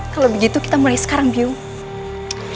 kalau begitu kita mulai sekarang view